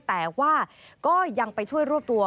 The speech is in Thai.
แต่ว่าก็ยังไปช่วยรวบตัว